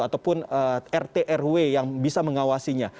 ataupun rt rw yang bisa mengawasinya